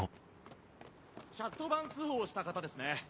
１１０番通報した方ですね？